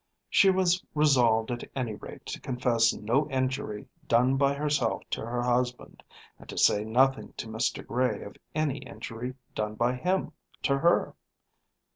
She was resolved at any rate to confess no injury done by herself to her husband, and to say nothing to Mr. Gray of any injury done by him to her.